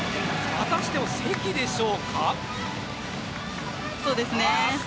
またしても関でしょうか。